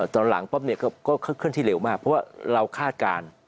ตอนหลังปุ๊บเนี่ยก็เคลื่อนที่เร็วมากเพราะว่าเราคาดการณ์